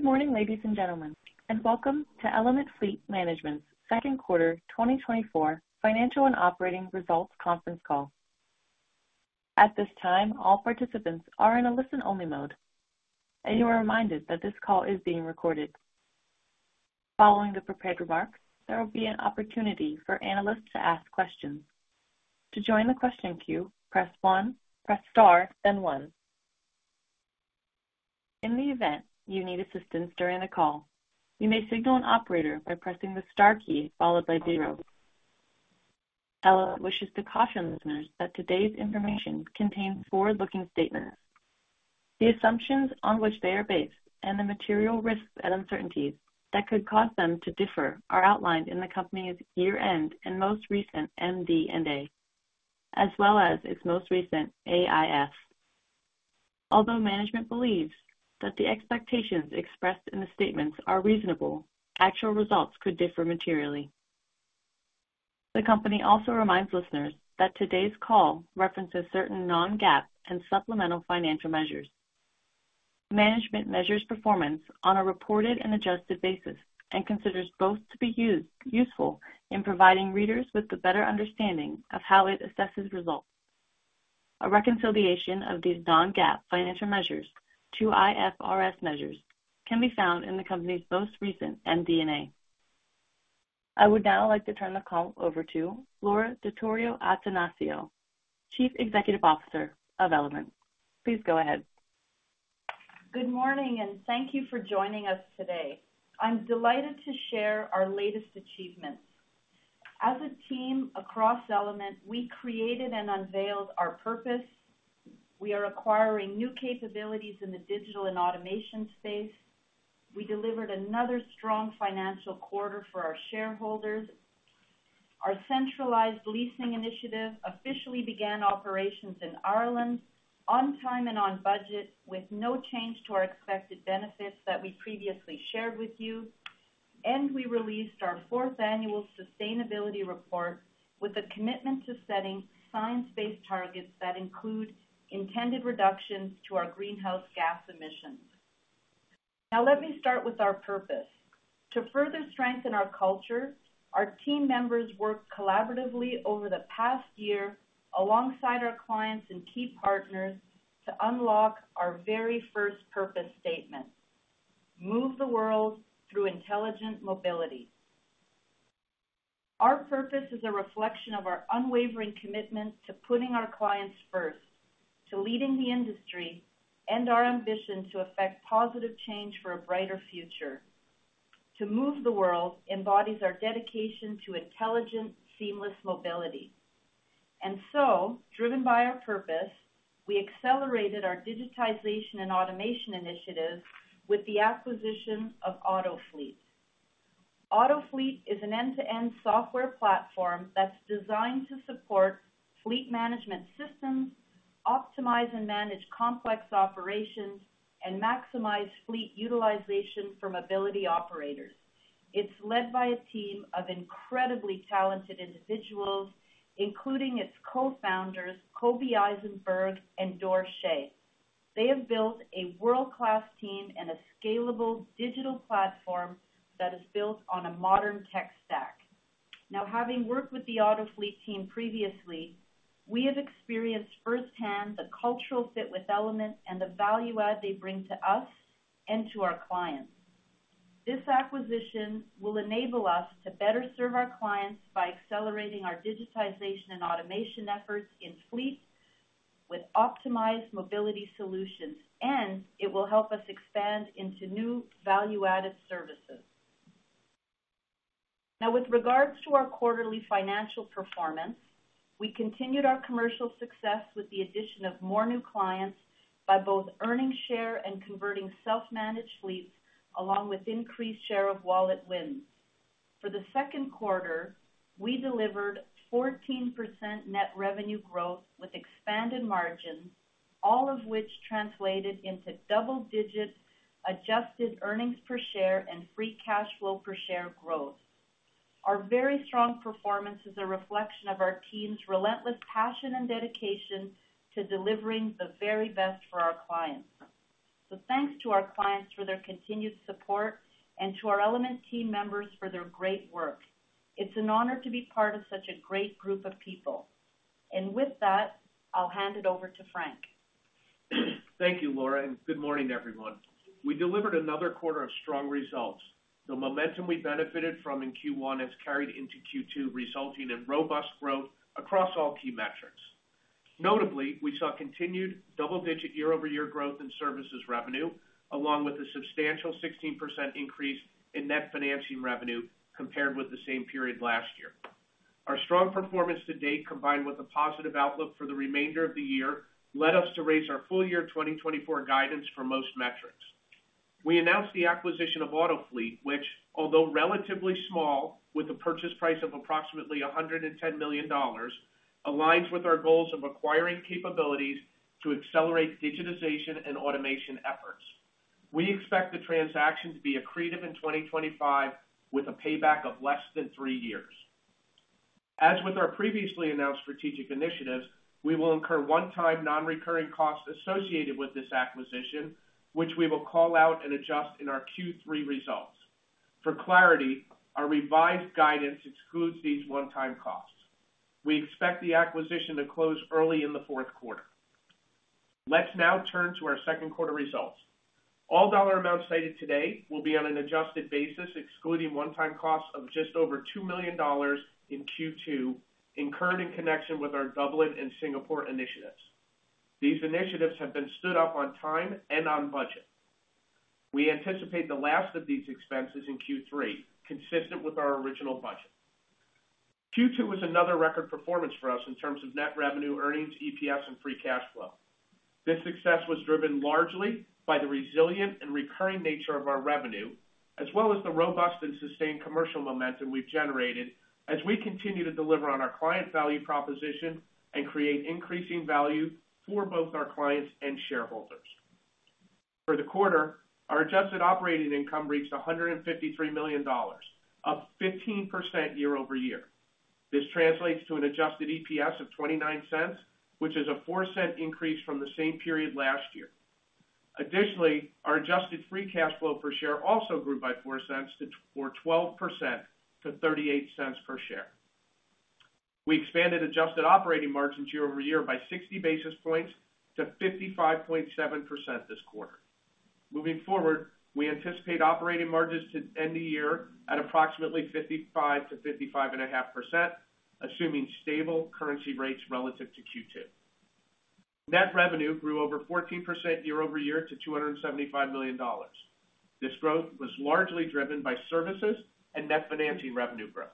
Good morning, ladies and gentlemen, and welcome to Element Fleet Management's second quarter 2024 financial and operating results conference call. At this time, all participants are in a listen-only mode, and you are reminded that this call is being recorded. Following the prepared remarks, there will be an opportunity for analysts to ask questions. To join the question queue, press one, press star, then one. In the event you need assistance during the call, you may signal an operator by pressing the star key followed by zero. Element wishes to caution listeners that today's information contains forward-looking statements. The assumptions on which they are based and the material risks and uncertainties that could cause them to differ are outlined in the company's year-end and most recent MD&A, as well as its most recent AIF. Although management believes that the expectations expressed in the statements are reasonable, actual results could differ materially. The company also reminds listeners that today's call references certain non-GAAP and supplemental financial measures. Management measures performance on a reported and adjusted basis and considers both to be useful in providing readers with a better understanding of how it assesses results. A reconciliation of these non-GAAP financial measures to IFRS measures can be found in the company's most recent MD&A. I would now like to turn the call over to Laura Dottori-Attanasio, Chief Executive Officer of Element. Please go ahead. Good morning, and thank you for joining us today. I'm delighted to share our latest achievements. As a team across Element, we created and unveiled our purpose. We are acquiring new capabilities in the digital and automation space. We delivered another strong financial quarter for our shareholders. Our centralized leasing initiative officially began operations in Ireland on time and on budget, with no change to our expected benefits that we previously shared with you. We released our fourth annual sustainability report with a commitment to setting science-based targets that include intended reductions to our greenhouse gas emissions. Now, let me start with our purpose. To further strengthen our culture, our team members worked collaboratively over the past year alongside our clients and key partners, to unlock our very first purpose statement: Move the world through intelligent mobility. Our purpose is a reflection of our unwavering commitment to putting our clients first, to leading the industry, and our ambition to effect positive change for a brighter future. To move the world embodies our dedication to intelligent, seamless mobility. And so, driven by our purpose, we accelerated our digitization and automation initiatives with the acquisition of Autofleet. Autofleet is an end-to-end software platform that's designed to support fleet management systems, optimize and manage complex operations, and maximize fleet utilization for mobility operators. It's led by a team of incredibly talented individuals, including its cofounders, Kobi Eisenberg and Dor Shay. They have built a world-class team and a scalable digital platform that is built on a modern tech stack. Now, having worked with the Autofleet team previously, we have experienced firsthand the cultural fit with Element and the value add they bring to us and to our clients. This acquisition will enable us to better serve our clients by accelerating our digitization and automation efforts in fleet with optimized mobility solutions, and it will help us expand into new value-added services. Now, with regards to our quarterly financial performance, we continued our commercial success with the addition of more new clients by both earning share and converting self-managed fleets, along with increased share of wallet wins. For the second quarter, we delivered 14% net revenue growth with expanded margins, all of which translated into double-digit adjusted earnings per share and free cash flow per share growth. Our very strong performance is a reflection of our team's relentless passion and dedication to delivering the very best for our clients. Thanks to our clients for their continued support and to our Element team members for their great work. It's an honor to be part of such a great group of people. With that, I'll hand it over to Frank. Thank you, Laura, and good morning, everyone. We delivered another quarter of strong results. The momentum we benefited from in Q1 has carried into Q2, resulting in robust growth across all key metrics. Notably, we saw continued double-digit year-over-year growth in services revenue, along with a substantial 16% increase in net financing revenue compared with the same period last year. Our strong performance to date, combined with a positive outlook for the remainder of the year, led us to raise our full-year 2024 guidance for most metrics. We announced the acquisition of Autofleet, which, although relatively small, with a purchase price of approximately $110 million, aligns with our goals of acquiring capabilities to accelerate digitization and automation efforts. We expect the transaction to be accretive in 2025, with a payback of less than three years. As with our previously announced strategic initiatives, we will incur one-time non-recurring costs associated with this acquisition, which we will call out and adjust in our Q3 results. For clarity, our revised guidance excludes these one-time costs. We expect the acquisition to close early in the fourth quarter. Let's now turn to our second quarter results. All dollar amounts cited today will be on an adjusted basis, excluding one-time costs of just over $2 million in Q2, incurred in connection with our Dublin and Singapore initiatives. These initiatives have been stood up on time and on budget. We anticipate the last of these expenses in Q3, consistent with our original budget. Q2 was another record performance for us in terms of net revenue, earnings, EPS, and free cash flow. This success was driven largely by the resilient and recurring nature of our revenue, as well as the robust and sustained commercial momentum we've generated as we continue to deliver on our client value proposition and create increasing value for both our clients and shareholders. For the quarter, our adjusted operating income reached $153 million, up 15% year-over-year. This translates to an adjusted EPS of $0.29, which is a $0.04 increase from the same period last year. Additionally, our adjusted free cash flow per share also grew by $0.04 or 12% to $0.38 per share. We expanded adjusted operating margins year-over-year by 60 basis points to 55.7% this quarter. Moving forward, we anticipate operating margins to end the year at approximately 55%-55.5%, assuming stable currency rates relative to Q2. Net revenue grew over 14% year-over-year to $275 million. This growth was largely driven by services and net financing revenue growth.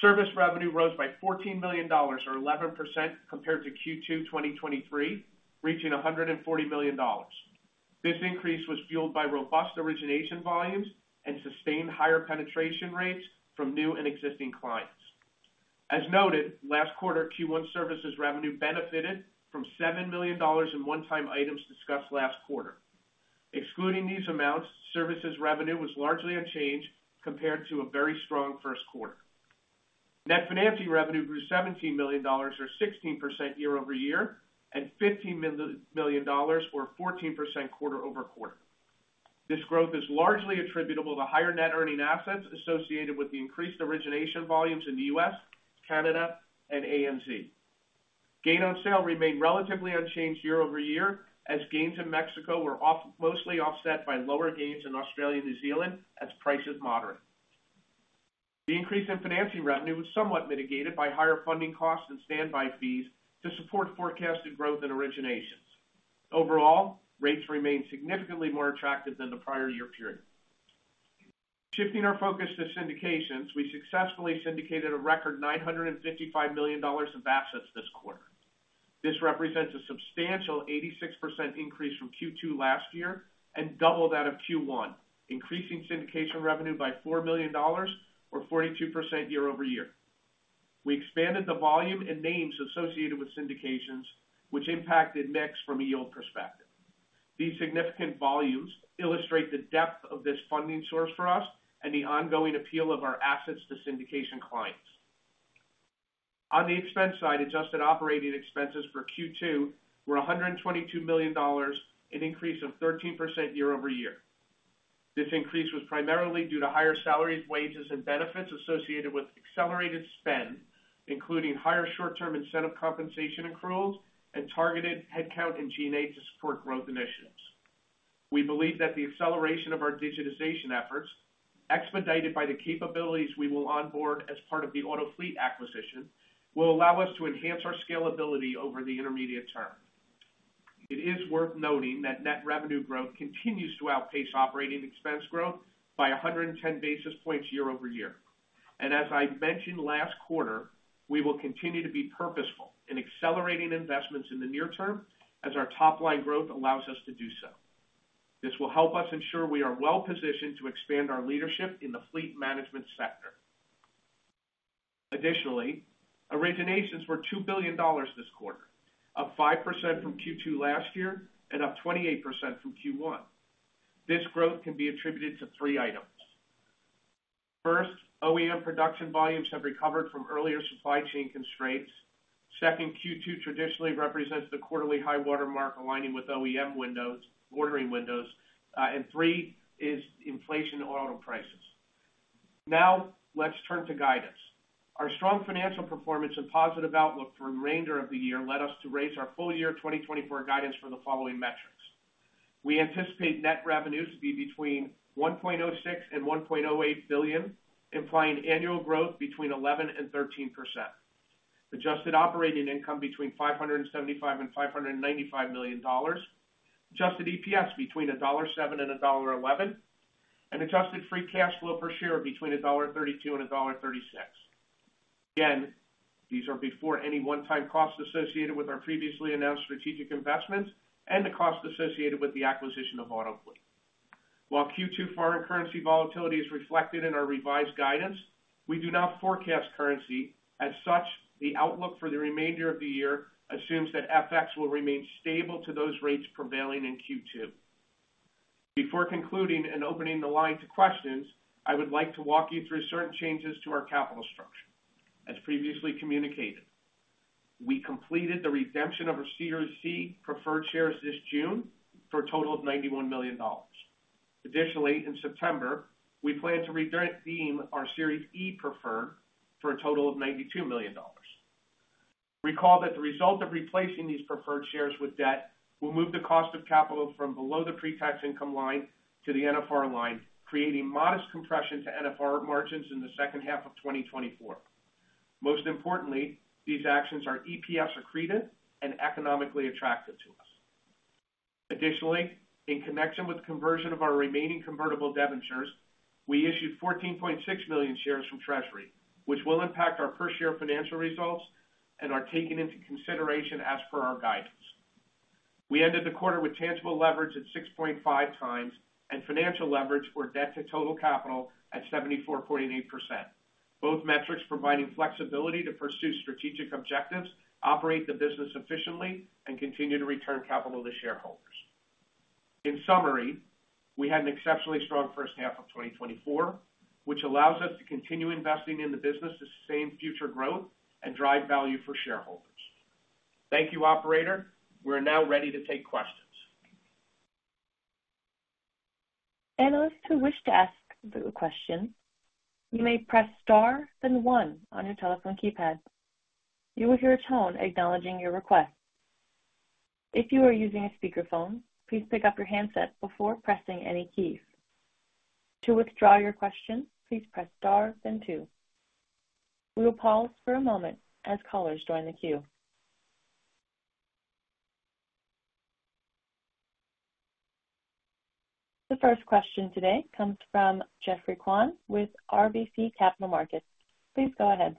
Service revenue rose by $14 million, or 11% compared to Q2 2023, reaching $140 million. This increase was fueled by robust origination volumes and sustained higher penetration rates from new and existing clients. As noted, last quarter, Q1 services revenue benefited from $7 million in one-time items discussed last quarter. Excluding these amounts, services revenue was largely unchanged compared to a very strong first quarter. Net financing revenue grew $17 million or 16% year-over-year, and $15 million or 14% quarter-over-quarter. This growth is largely attributable to higher net earning assets associated with the increased origination volumes in the U.S., Canada, and ANZ. Gain on sale remained relatively unchanged year-over-year, as gains in Mexico were off- mostly offset by lower gains in Australia and New Zealand as prices moderate. The increase in financing revenue was somewhat mitigated by higher funding costs and standby fees to support forecasted growth in originations. Overall, rates remained significantly more attractive than the prior year period. Shifting our focus to syndications, we successfully syndicated a record $955 million of assets this quarter. This represents a substantial 86% increase from Q2 last year and double that of Q1, increasing syndication revenue by $4 million or 42% year-over-year. We expanded the volume and names associated with syndications, which impacted mix from a yield perspective. These significant volumes illustrate the depth of this funding source for us and the ongoing appeal of our assets to syndication clients. On the expense side, adjusted operating expenses for Q2 were $122 million, an increase of 13% year-over-year. This increase was primarily due to higher salaries, wages, and benefits associated with accelerated spend, including higher short-term incentive compensation accruals and targeted headcount and G&A to support growth initiatives. We believe that the acceleration of our digitization efforts, expedited by the capabilities we will onboard as part of the Autofleet acquisition, will allow us to enhance our scalability over the intermediate term. It is worth noting that net revenue growth continues to outpace operating expense growth by 110 basis points year-over-year. As I mentioned last quarter, we will continue to be purposeful in accelerating investments in the near term as our top-line growth allows us to do so. This will help us ensure we are well-positioned to expand our leadership in the fleet management sector. Additionally, originations were $2 billion this quarter, up 5% from Q2 last year and up 28% from Q1. This growth can be attributed to three items. First, OEM production volumes have recovered from earlier supply chain constraints. Second, Q2 traditionally represents the quarterly high water mark aligning with OEM windows, ordering windows. And three is inflation in auto prices. Now, let's turn to guidance. Our strong financial performance and positive outlook for the remainder of the year led us to raise our full-year 2024 guidance for the following metrics. We anticipate net revenue to be between $1.06 billion and $1.08 billion, implying annual growth between 11% and 13%. Adjusted operating income between $575 million and $595 million. Adjusted EPS between $1.07 and $1.11, and adjusted free cash flow per share between $1.32 and $1.36. Again, these are before any one-time costs associated with our previously announced strategic investments and the costs associated with the acquisition of Autofleet. While Q2 foreign currency volatility is reflected in our revised guidance, we do not forecast currency. As such, the outlook for the remainder of the year assumes that FX will remain stable to those rates prevailing in Q2. Before concluding and opening the line to questions, I would like to walk you through certain changes to our capital structure. As previously communicated, we completed the redemption of our Series C preferred shares this June for a total of $91 million. Additionally, in September, we plan to redeem our Series E preferred for a total of $92 million. Recall that the result of replacing these preferred shares with debt will move the cost of capital from below the pretax income line to the NFR line, creating modest compression to NFR margins in the second half of 2024. Most importantly, these actions are EPS accretive and economically attractive to us. Additionally, in connection with the conversion of our remaining convertible debentures, we issued 14.6 million shares from treasury, which will impact our per-share financial results and are taken into consideration as per our guidance. We ended the quarter with tangible leverage at 6.5 times and financial leverage for debt to total capital at 74.8%. Both metrics providing flexibility to pursue strategic objectives, operate the business efficiently, and continue to return capital to shareholders. In summary, we had an exceptionally strong first half of 2024, which allows us to continue investing in the business to sustain future growth and drive value for shareholders. Thank you, operator. We're now ready to take questions. Analysts who wish to ask the question, you may press Star, then one on your telephone keypad. You will hear a tone acknowledging your request. If you are using a speakerphone, please pick up your handset before pressing any keys. To withdraw your question, please press Star then two. We will pause for a moment as callers join the queue. The first question today comes from Geoffrey Kwan with RBC Capital Markets. Please go ahead.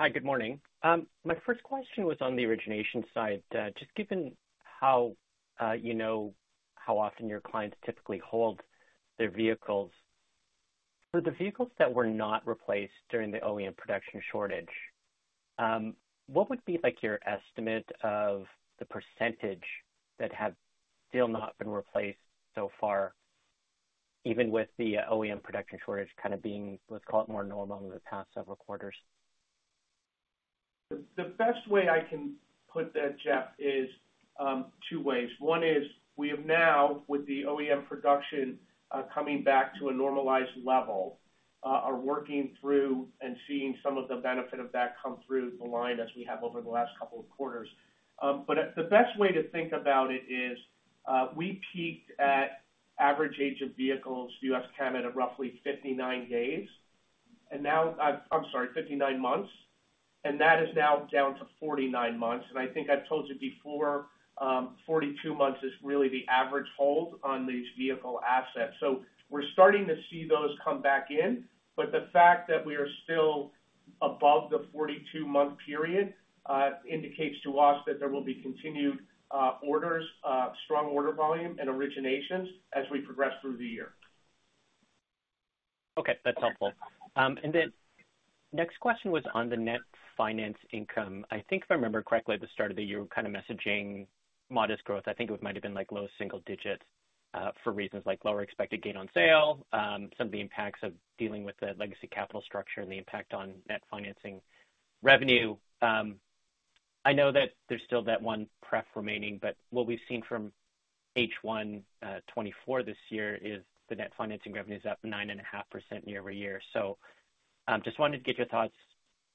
Hi, good morning. My first question was on the origination side. Just given how, you know, how often your clients typically hold their vehicles. For the vehicles that were not replaced during the OEM production shortage, what would be, like, your estimate of the percentage that have still not been replaced so far, even with the OEM production shortage kind of being, let's call it, more normal in the past several quarters? The best way I can put that, Jeff, is two ways. One is we have now, with the OEM production coming back to a normalized level, are working through and seeing some of the benefit of that come through the line as we have over the last couple of quarters. But the best way to think about it is, we peaked at average age of vehicles, US, Canada, roughly 59 days, and now I'm sorry, 59 months, and that is now down to 49 months. And I think I've told you before, 42 months is really the average hold on these vehicle assets. So we're starting to see those come back in. But the fact that we are still above the 42-month period indicates to us that there will be continued orders, strong order volume and originations as we progress through the year. Okay, that's helpful. And then next question was on the net financing revenue. I think if I remember correctly, at the start of the year, you were kind of messaging modest growth. I think it might have been like low single digits, for reasons like lower expected gain on sale, some of the impacts of dealing with the legacy capital structure and the impact on net financing revenue. I know that there's still that one pref remaining, but what we've seen from H1 2024 this year is the net financing revenue is up 9.5% year-over-year. So, just wanted to get your thoughts.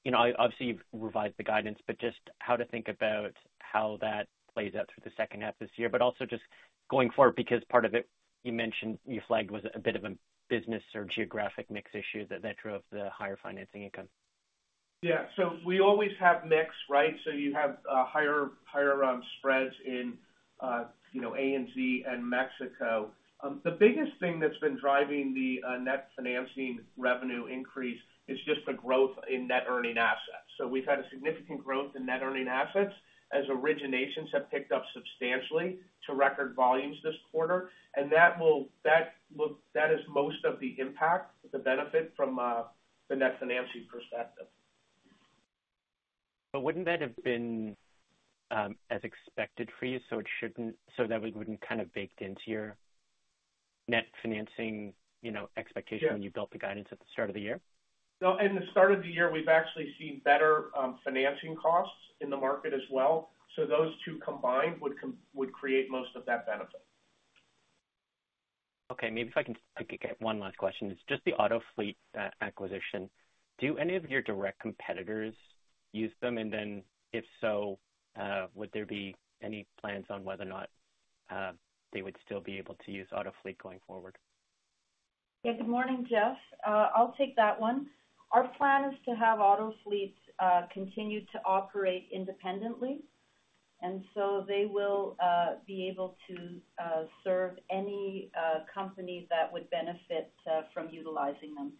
You know, obviously, you've revised the guidance, but just how to think about how that plays out through the second half this year, but also just going forward, because part of it, you mentioned, you flagged, was a bit of a business or geographic mix issue that drove the higher financing income? Yeah. So we always have mix, right? So you have higher, higher spreads in, you know, ANZ and Mexico. The biggest thing that's been driving the net financing revenue increase is just the growth in net earning assets. So we've had a significant growth in net earning assets as originations have picked up substantially to record volumes this quarter, and that is most of the impact, the benefit from the net financing perspective. But wouldn't that have been as expected for you? So that it wouldn't kind of baked into your net financing, you know, expectation- Yeah. when you built the guidance at the start of the year? No, in the start of the year, we've actually seen better financing costs in the market as well. So those two combined would create most of that benefit. Okay, maybe if I can get one last question. It's just the Autofleet acquisition. Do any of your direct competitors use them? And then, if so, would there be any plans on whether or not they would still be able to use Autofleet going forward? Yeah. Good morning, Jeff. I'll take that one. Our plan is to have Autofleet continue to operate independently, and so they will be able to serve any company that would benefit from utilizing them.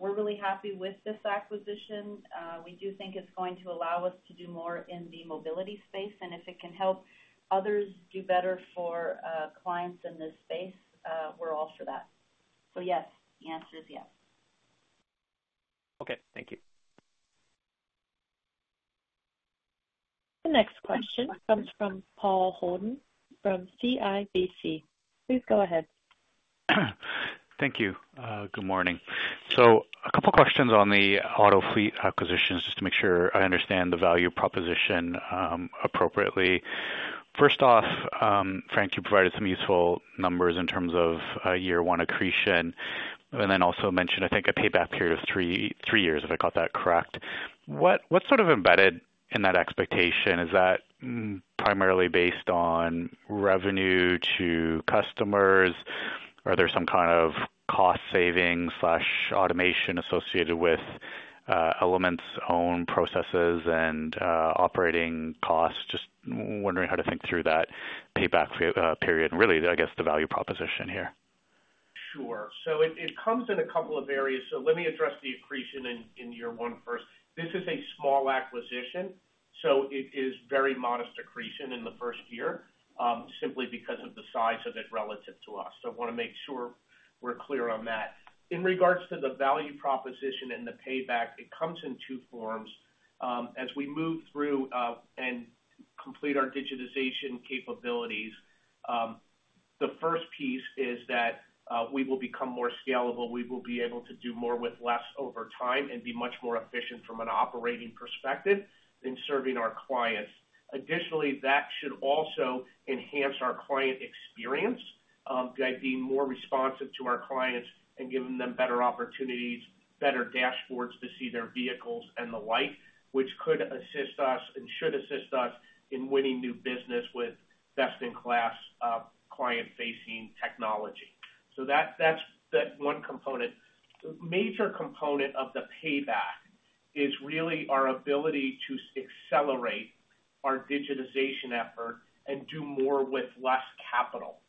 We're really happy with this acquisition. We do think it's going to allow us to do more in the mobility space, and if it can help others do better for clients in this space, we're all for that. So yes, the answer is yes. Okay. Thank you. The next question comes from Paul Holden from CIBC. Please go ahead. Thank you. Good morning. So a couple questions on the Autofleet acquisitions, just to make sure I understand the value proposition, appropriately. First off, Frank, you provided some useful numbers in terms of, year one accretion, and then also mentioned, I think, a payback period of three years, if I got that correct. What's sort of embedded in that expectation? Is that primarily based on revenue to customers? Are there some kind of cost savings/automation associated with, Element's own processes and, operating costs? Just wondering how to think through that payback period, really, I guess, the value proposition here. Sure. So it comes in a couple of areas. So let me address the accretion in year one first. This is a small acquisition, so it is very modest accretion in the first year, simply because of the size of it relative to us. So I want to make sure we're clear on that. In regards to the value proposition and the payback, it comes in two forms. As we move through and complete our digitization capabilities, the first piece is that we will become more scalable. We will be able to do more with less over time and be much more efficient from an operating perspective in serving our clients. Additionally, that should also enhance our client experience, by being more responsive to our clients and giving them better opportunities, better dashboards to see their vehicles and the like, which could assist us and should assist us in winning new business with best-in-class, client-facing technology. So that's, that's the one component. The major component of the payback is really our ability to accelerate our digitization effort and do more with less capital.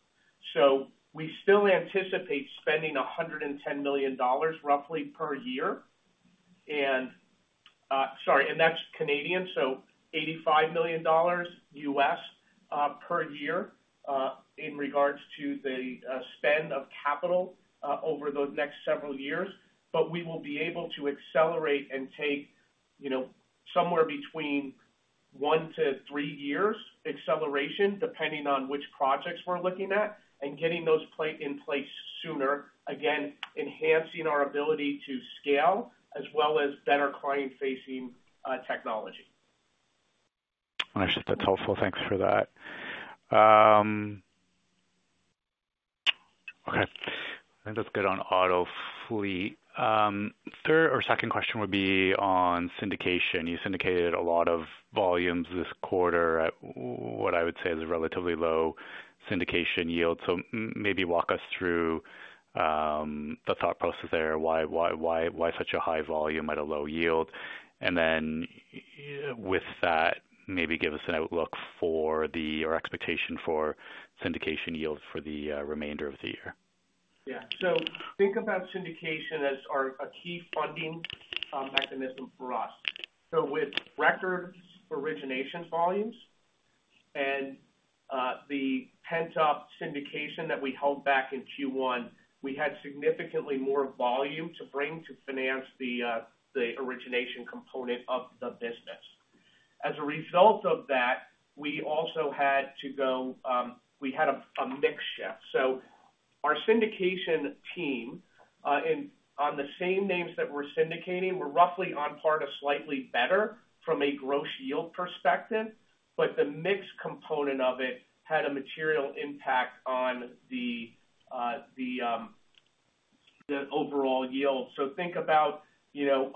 So we still anticipate spending 110 million dollars roughly per year, and that's Canadian, so $85 million US, per year, in regards to the, spend of capital, over those next several years. But we will be able to accelerate and take, you know, somewhere between 1-3 years acceleration, depending on which projects we're looking at, and getting those platforms in place sooner, again, enhancing our ability to scale as well as better client-facing technology. That's helpful. Thanks for that. Okay, I think that's good on Autofleet. Third or second question would be on syndication. You syndicated a lot of volumes this quarter at what I would say is a relatively low syndication yield. So maybe walk us through the thought process there. Why such a high volume at a low yield? And then with that, maybe give us an outlook for the, or expectation for syndication yield for the remainder of the year. Yeah. So think about syndication as our, a key funding mechanism for us. So with record origination volumes and the pent-up syndication that we held back in Q1, we had significantly more volume to bring to finance the origination component of the business. As a result of that, we had a mix shift. So our syndication team on the same names that we're syndicating, we're roughly on par to slightly better from a gross yield perspective, but the mix component of it had a material impact on the overall yield. So think about, you know,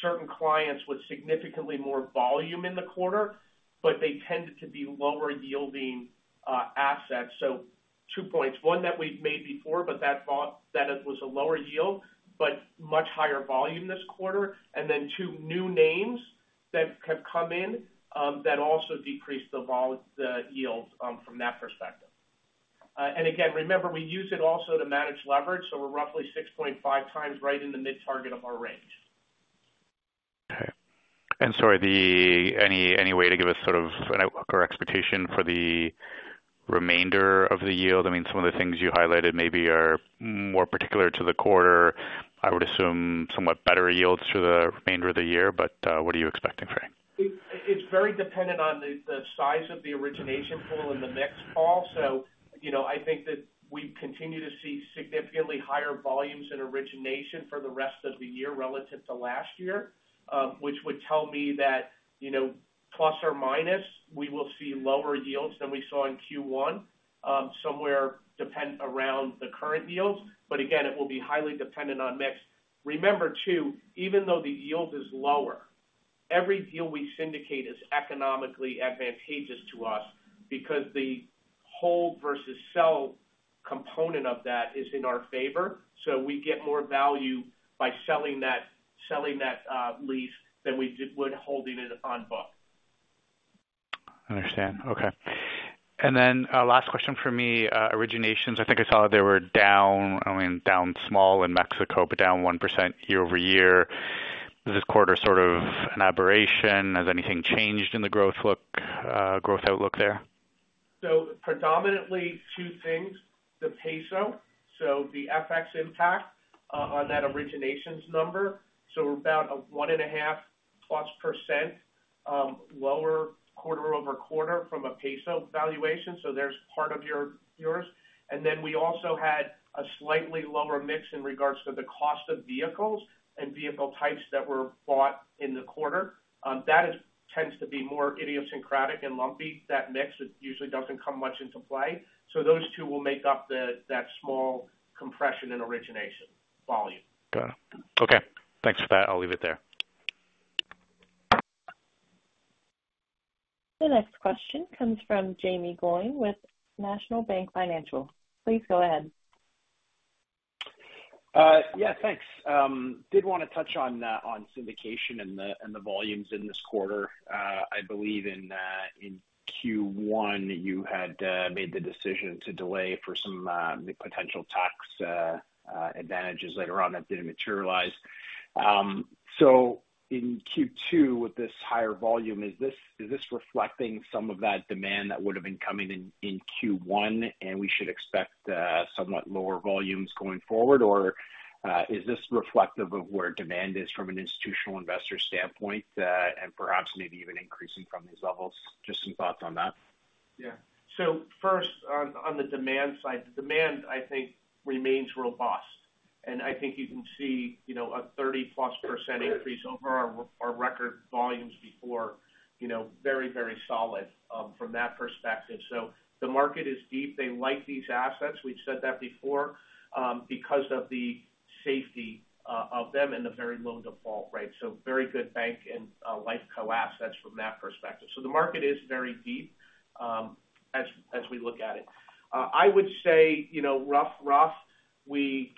certain clients with significantly more volume in the quarter, but they tended to be lower-yielding assets. So two points, one, that we've made before, but that thought, that it was a lower yield, but much higher volume this quarter, and then two, new names that have come in, that also decreased the yield, from that perspective. And again, remember, we use it also to manage leverage, so we're roughly 6.5 times right in the mid target of our range. Okay. Sorry, any way to give us sort of an outlook or expectation for the remainder of the yield? I mean, some of the things you highlighted maybe are more particular to the quarter. I would assume somewhat better yields for the remainder of the year, but what are you expecting, Frank? It's very dependent on the size of the origination pool and the mix, Paul. So, you know, I think that we continue to see significantly higher volumes in origination for the rest of the year relative to last year, which would tell me that, you know, plus or minus, we will see lower yields than we saw in Q1, somewhere depend around the current yields. But again, it will be highly dependent on mix. Remember, too, even though the yield is lower, every deal we syndicate is economically advantageous to us because the hold versus sell component of that is in our favor, so we get more value by selling that, selling that, lease than we would holding it on book. I understand. Okay. And then, last question for me. Originations, I think I saw they were down, I mean, down small in Mexico, but down 1% year-over-year. Is this quarter sort of an aberration? Has anything changed in the growth look, growth outlook there? So predominantly two things, the peso. So the FX impact on that originations number. So we're about 1.5%+ lower quarter-over-quarter from a peso valuation. So there's part of your, yours. And then we also had a slightly lower mix in regards to the cost of vehicles and vehicle types that were bought in the quarter. That tends to be more idiosyncratic and lumpy. That mix usually doesn't come much into play. So those two will make up the, that small compression and origination volume. Got it. Okay, thanks for that. I'll leave it there. The next question comes from Jaeme Gloyn with National Bank Financial. Please go ahead. Yeah, thanks. Did want to touch on syndication and the volumes in this quarter. I believe in Q1, you had made the decision to delay for some potential tax advantages later on that didn't materialize. So in Q2, with this higher volume, is this reflecting some of that demand that would have been coming in Q1, and we should expect somewhat lower volumes going forward? Or is this reflective of where demand is from an institutional investor standpoint, and perhaps maybe even increasing from these levels? Just some thoughts on that. Yeah. So first, on the demand side. The demand, I think, remains robust. I think you can see, you know, a 30%+ increase over our record volumes before, you know, very, very solid from that perspective. So the market is deep. They like these assets, we've said that before, because of the safety of them and the very low default rate. So very good bank and Lifeco assets from that perspective. So the market is very deep, as we look at it. I would say, you know, rough, we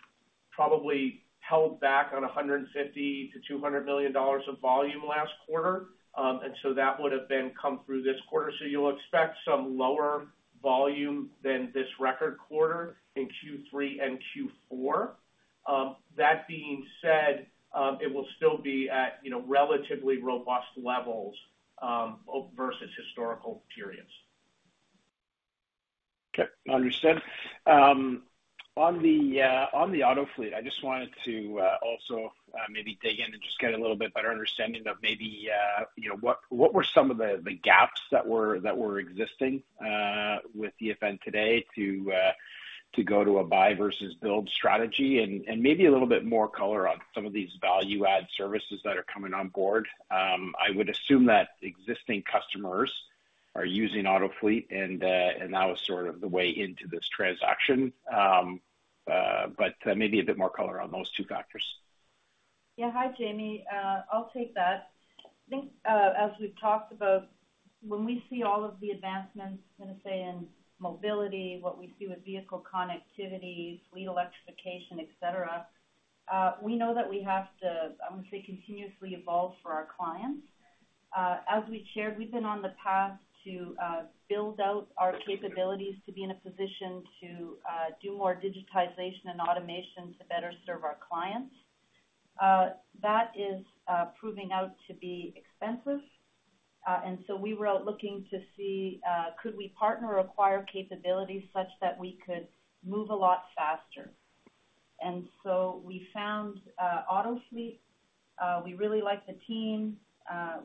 probably held back on $150 million-$200 million of volume last quarter. And so that would have been come through this quarter. So you'll expect some lower volume than this record quarter in Q3 and Q4. That being said, it will still be at, you know, relatively robust levels versus historical periods. Okay, understood. On the Autofleet, I just wanted to also maybe dig in and just get a little bit better understanding of maybe you know what were some of the gaps that were existing with EFN today to go to a buy versus build strategy? And maybe a little bit more color on some of these value-add services that are coming on board. I would assume that existing customers are using Autofleet, and that was sort of the way into this transaction. But maybe a bit more color on those two factors. Yeah. Hi, Jamie. I'll take that. I think, as we've talked about, when we see all of the advancements, I'm going to say, in mobility, what we see with vehicle connectivity, fleet electrification, et cetera, we know that we have to, I'm going to say, continuously evolve for our clients. As we shared, we've been on the path to build out our capabilities to be in a position to do more digitization and automation to better serve our clients. That is proving out to be expensive. And so we were out looking to see, could we partner or acquire capabilities such that we could move a lot faster. And so we found Autofleet. We really like the team.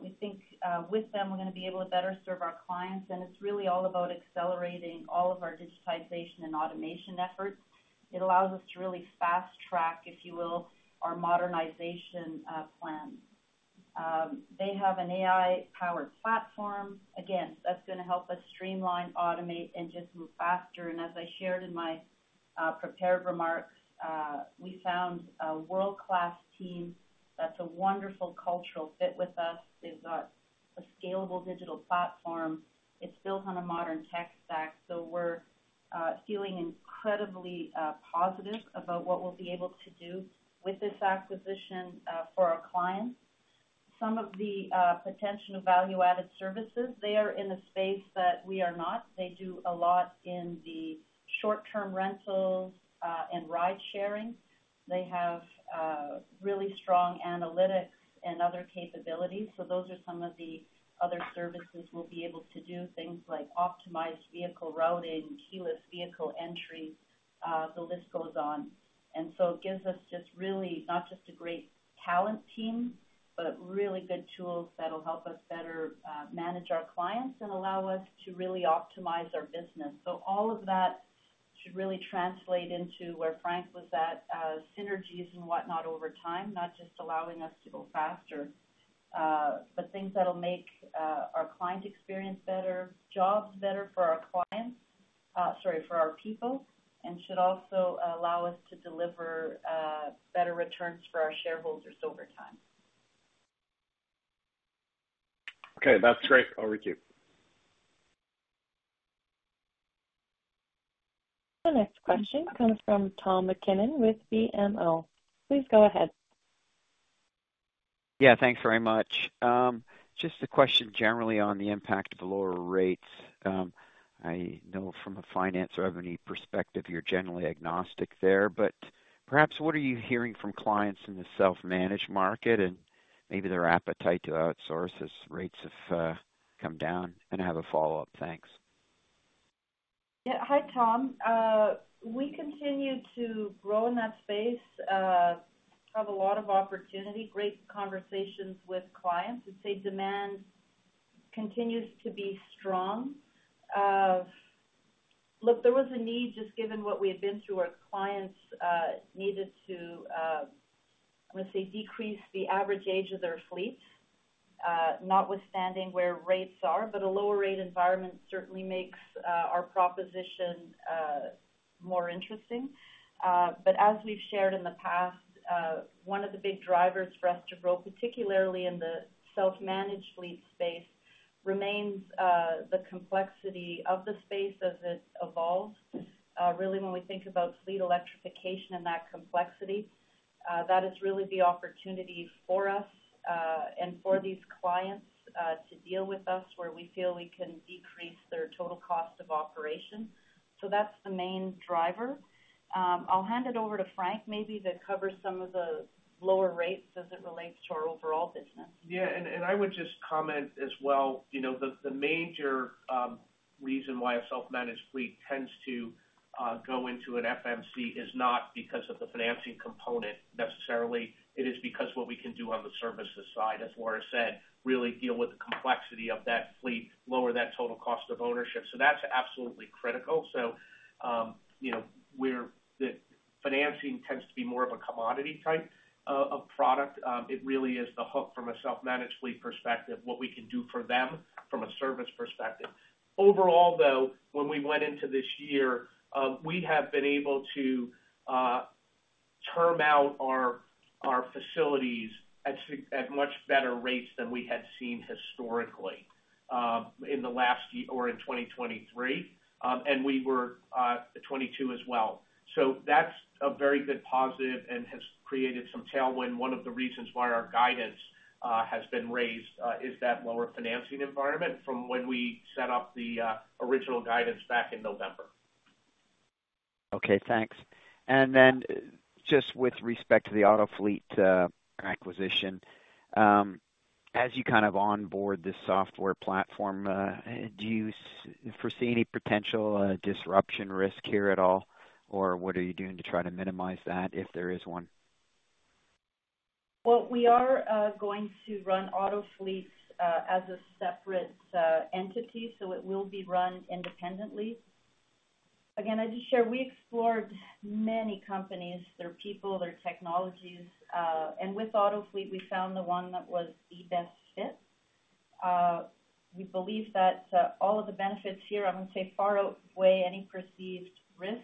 We think with them, we're going to be able to better serve our clients, and it's really all about accelerating all of our digitization and automation efforts. It allows us to really fast track, if you will, our modernization plan. They have an AI-powered platform. Again, that's going to help us streamline, automate, and just move faster. And as I shared in my prepared remarks, we found a world-class team that's a wonderful cultural fit with us. They've got a scalable digital platform. It's built on a modern tech stack, so we're feeling incredibly positive about what we'll be able to do with this acquisition for our clients. Some of the potential value-added services, they are in a space that we are not. They do a lot in the short-term rentals and ride-sharing. They have really strong analytics and other capabilities. So those are some of the other services we'll be able to do, things like optimized vehicle routing, keyless vehicle entry, the list goes on. And so it gives us just really not just a great talent team, but really good tools that will help us better manage our clients and allow us to really optimize our business. So all of that should really translate into where Frank was at, synergies and whatnot over time, not just allowing us to go faster, but things that'll make our client experience better, jobs better for our clients, sorry, for our people, and should also allow us to deliver better returns for our shareholders over time. Okay, that's great. Over to you. The next question comes from Tom MacKinnon with BMO. Please go ahead. Yeah, thanks very much. Just a question generally on the impact of lower rates. I know from a finance revenue perspective, you're generally agnostic there, but perhaps what are you hearing from clients in the self-managed market and maybe their appetite to outsource as rates have come down, and I have a follow-up. Thanks. Yeah. Hi, Tom. We continue to grow in that space, have a lot of opportunity, great conversations with clients. I'd say demand continues to be strong. Look, there was a need, just given what we had been through, our clients needed to, let's say, decrease the average age of their fleet, notwithstanding where rates are. But a lower rate environment certainly makes our proposition more interesting. But as we've shared in the past, one of the big drivers for us to grow, particularly in the self-managed fleet space, remains the complexity of the space as it evolves. Really, when we think about fleet electrification and that complexity, that is really the opportunity for us and for these clients to deal with us, where we feel we can decrease their total cost of operation. So that's the main driver. I'll hand it over to Frank, maybe, to cover some of the lower rates as it relates to our overall business. Yeah, and I would just comment as well, you know, the major reason why a self-managed fleet tends to go into an FMC is not because of the financing component necessarily. It is because what we can do on the services side, as Laura said, really deal with the complexity of that fleet, lower that total cost of ownership. That's absolutely critical. You know, the financing tends to be more of a commodity type of product. It really is the hook from a self-managed fleet perspective, what we can do for them from a service perspective. Overall, though, when we went into this year, we have been able to term out our, our facilities at much better rates than we had seen historically, in the last year or in 2023, and we were at 2022 as well. So that's a very good positive and has created some tailwind. One of the reasons why our guidance has been raised is that lower financing environment from when we set up the original guidance back in November. Okay, thanks. And then just with respect to the Autofleet acquisition, as you kind of onboard this software platform, do you foresee any potential disruption risk here at all, or what are you doing to try to minimize that if there is one? Well, we are going to run Autofleet as a separate entity, so it will be run independently. Again, as I shared, we explored many companies, their people, their technologies, and with Autofleet, we found the one that was the best fit. We believe that all of the benefits here, I would say, far outweigh any perceived risks,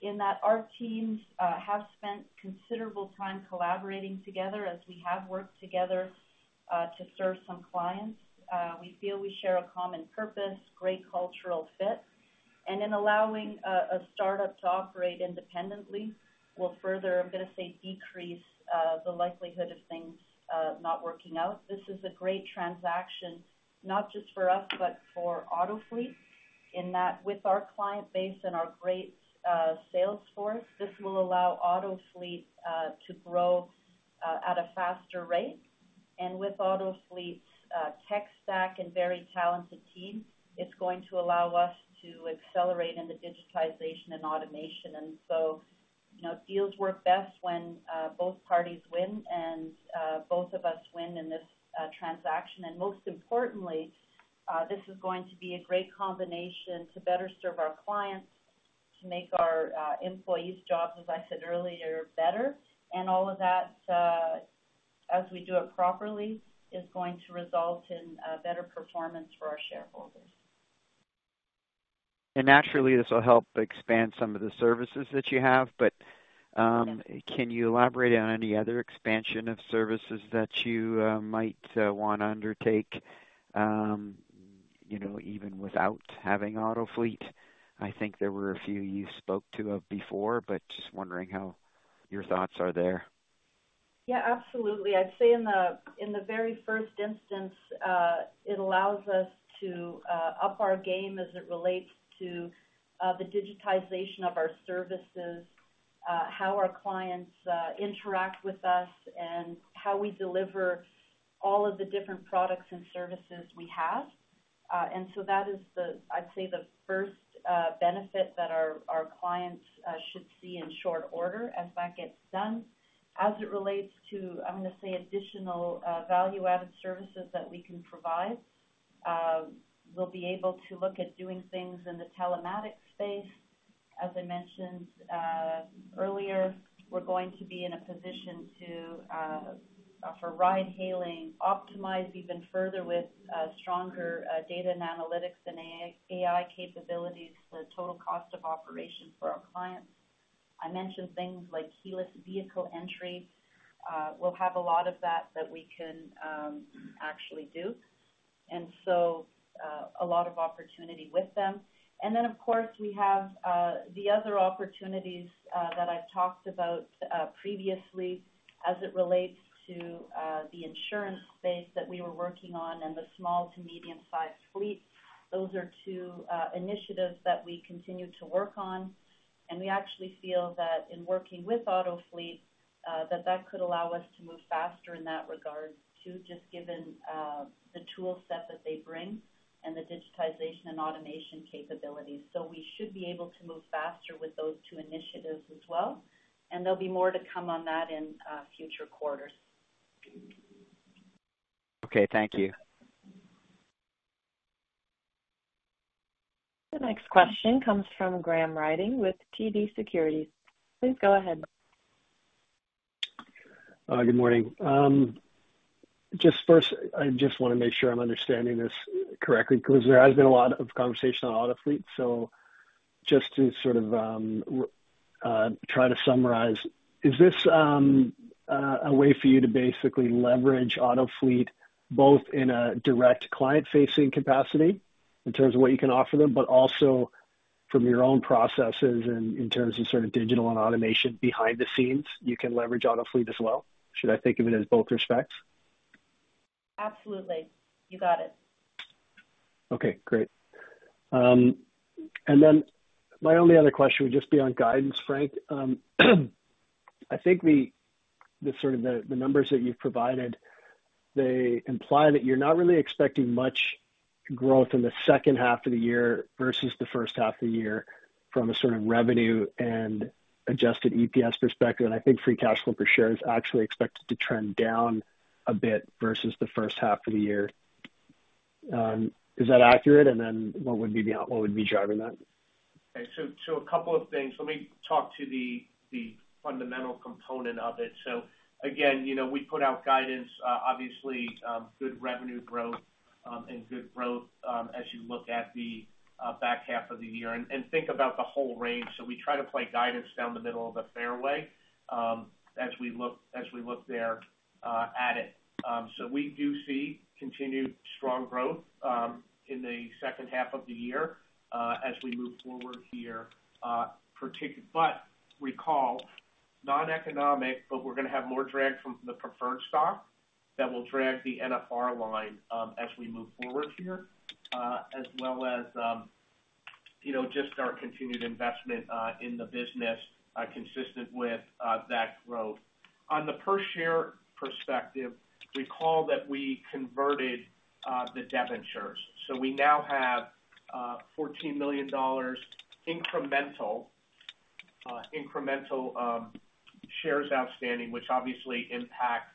in that our teams have spent considerable time collaborating together as we have worked together to serve some clients. We feel we share a common purpose, great cultural fit, and in allowing a startup to operate independently, will further, I'm going to say, decrease the likelihood of things not working out. This is a great transaction, not just for us, but for Autofleet, in that with our client base and our great sales force, this will allow Autofleet to grow at a faster rate. And with Autofleet's tech stack and very talented team, it's going to allow us to accelerate in the digitization and automation. And so, you know, deals work best when both parties win, and both of us win in this transaction. And most importantly, this is going to be a great combination to better serve our clients, to make our employees' jobs, as I said earlier, better. And all of that, as we do it properly, is going to result in better performance for our shareholders. Naturally, this will help expand some of the services that you have, but, Yes. Can you elaborate on any other expansion of services that you might want to undertake, you know, even without having Autofleet? I think there were a few you spoke to of before, but just wondering how your thoughts are there. Yeah, absolutely. I'd say in the very first instance, it allows us to up our game as it relates to the digitization of our services, how our clients interact with us, and how we deliver all of the different products and services we have. And so that is the, I'd say, the first benefit that our clients should see in short order as that gets done. As it relates to, I'm going to say, additional value-added services that we can provide, we'll be able to look at doing things in the telematics space. As I mentioned earlier, we're going to be in a position to offer ride-hailing, optimize even further with stronger data and analytics and AI capabilities, the total cost of operation for our clients. I mentioned things like keyless vehicle entry. We'll have a lot of that that we can actually do, and so a lot of opportunity with them. And then, of course, we have the other opportunities that I've talked about previously as it relates to the insurance space that we were working on and the small to medium-sized fleet. Those are two initiatives that we continue to work on, and we actually feel that in working with Autofleet that could allow us to move faster in that regard, too, just given the tool set that they bring and the digitization and automation capabilities. So we should be able to move faster with those two initiatives as well, and there'll be more to come on that in future quarters. Okay, thank you. The next question comes from Graham Ryding with TD Securities. Please go ahead. Good morning. Just first, I just want to make sure I'm understanding this correctly, because there has been a lot of conversation on Autofleet. So just to sort of, try to summarize, is this, a way for you to basically leverage Autofleet both in a direct client-facing capacity in terms of what you can offer them, but also from your own processes and in terms of sort of digital and automation behind the scenes, you can leverage Autofleet as well? Should I think of it as both respects? Absolutely. You got it. Okay, great. And then my only other question would just be on guidance, Frank. I think the sort of numbers that you've provided, they imply that you're not really expecting much growth in the second half of the year versus the first half of the year from a sort of revenue and adjusted EPS perspective. And I think free cash flow per share is actually expected to trend down a bit versus the first half of the year. Is that accurate? And then what would be the, what would be driving that? Okay. So a couple of things. Let me talk to the fundamental component of it. So again, you know, we put out guidance, obviously, good revenue growth, and good growth, as you look at the back half of the year and think about the whole range. So we try to play guidance down the middle of the fairway, as we look there at it. So we do see continued strong growth in the second half of the year, as we move forward here, but recall, non-economic, but we're going to have more drag from the preferred stock that will drag the NFR line, as we move forward here, as well as, you know, just our continued investment in the business, consistent with that growth. On the per share perspective, recall that we converted the debentures. So we now have 14 million dollars incremental shares outstanding, which obviously impact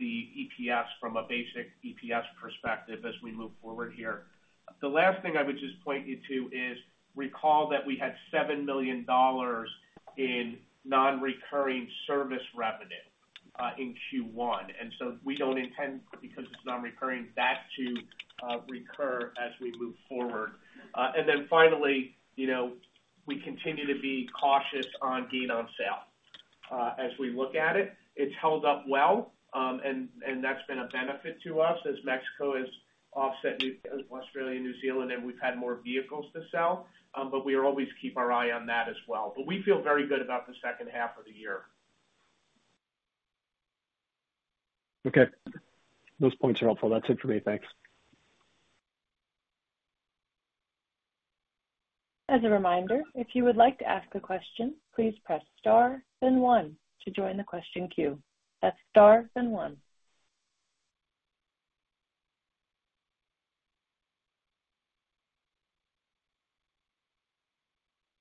the EPS from a basic EPS perspective as we move forward here. The last thing I would just point you to is recall that we had 7 million dollars in nonrecurring service revenue in Q1, and so we don't intend, because it's nonrecurring, that to recur as we move forward. And then finally, you know, we continue to be cautious on gain on sale. As we look at it, it's held up well, and that's been a benefit to us as Mexico has offset Australia and New Zealand, and we've had more vehicles to sell. But we always keep our eye on that as well. But we feel very good about the second half of the year. Okay. Those points are helpful. That's it for me. Thanks. As a reminder, if you would like to ask a question, please press Star, then one to join the question queue. That's Star, then one.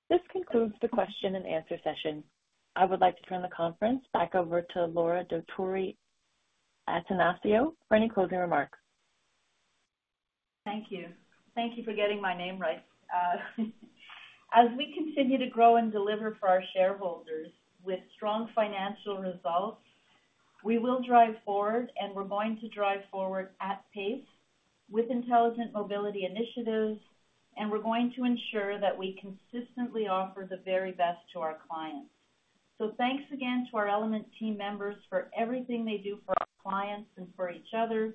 This concludes the question-and-answer session. I would like to turn the conference back over to Laura Dottori-Attanasio for any closing remarks. Thank you. Thank you for getting my name right. As we continue to grow and deliver for our shareholders with strong financial results, we will drive forward, and we're going to drive forward at pace with intelligent mobility initiatives, and we're going to ensure that we consistently offer the very best to our clients. So thanks again to our Element team members for everything they do for our clients and for each other,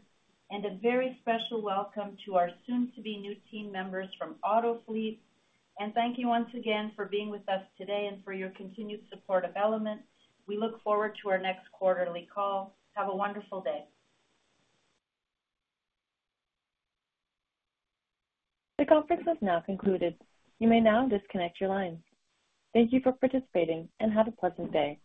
and a very special welcome to our soon-to-be new team members from Autofleet. And thank you once again for being with us today and for your continued support of Element. We look forward to our next quarterly call. Have a wonderful day. The conference is now concluded. You may now disconnect your line. Thank you for participating, and have a pleasant day.